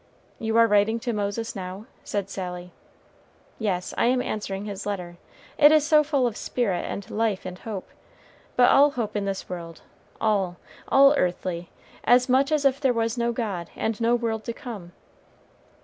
"You are writing to Moses, now?" said Sally. "Yes, I am answering his letter; it is so full of spirit and life and hope but all hope in this world all, all earthly, as much as if there was no God and no world to come.